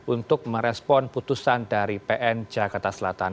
untuk merespon putusan dari pn jakarta selatan